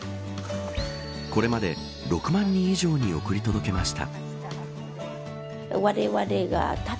これまで６万人以上に送り届けました。